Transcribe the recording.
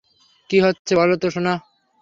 কী হচ্ছে বল তো, সোনা?